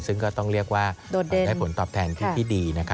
ซึ่งก็ต้องเรียกว่าได้ผลตอบแทนที่ดี